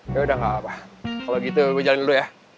yaudah gak apa kalo gitu gue jalanin dulu ya